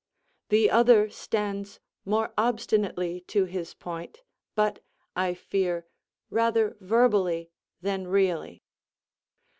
The other stands more obstinately to his point, but, I fear, rather verbally than really.